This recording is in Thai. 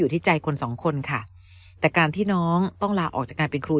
ที่ใจคนสองคนค่ะแต่การที่น้องต้องลาออกจากการเป็นครู